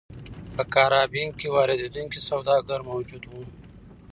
په کارابین کې واردوونکي سوداګر موجود وو.